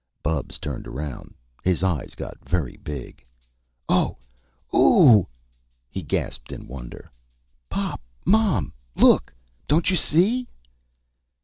Bubs turned around. His eyes got very big. "Oh! O ooh h h!" he gasped in wonder. "Pop! Mom! Look! Don't you see?..."